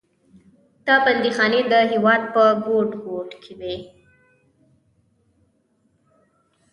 دا بندیخانې د هېواد په ګوټ ګوټ کې وې.